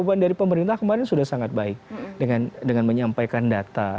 karena kemarin sudah sangat baik dengan menyampaikan data